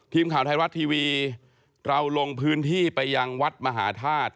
ทีมข่าวไทยรัฐทีวีเราลงพื้นที่ไปยังวัดมหาธาตุ